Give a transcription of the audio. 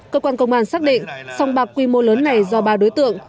cơ quan công an xác định sông bạc quy mô lớn này do ba đối tượng